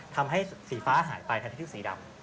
ทำให้สีฟ้าหายไปแทนที่สีดำ